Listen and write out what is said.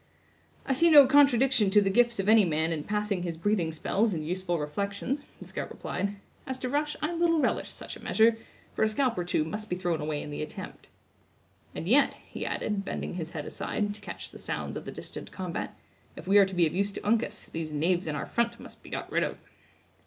"I see no contradiction to the gifts of any man in passing his breathing spells in useful reflections," the scout replied. "As to rush, I little relish such a measure; for a scalp or two must be thrown away in the attempt. And yet," he added, bending his head aside, to catch the sounds of the distant combat, "if we are to be of use to Uncas, these knaves in our front must be got rid of."